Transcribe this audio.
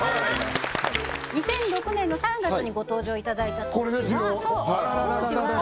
２００６年の３月にご登場いただいたときはこれですよ